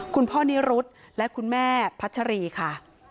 คุณพ่อนิรุธและคุณแม่พัชรีค่ะ